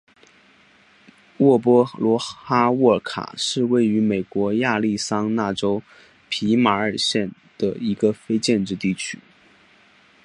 沃波罗哈沃卡是位于美国亚利桑那州皮马县的一个非建制地区。